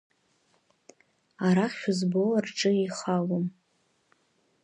Арахь шәызбо рҿы еихалом.